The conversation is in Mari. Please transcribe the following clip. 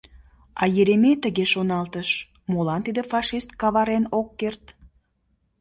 А Еремей тыге шоналтыш: «Молан тиде фашист каварен ок керт?